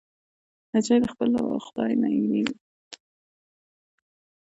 نجلۍ له خدای نه وېرېږي.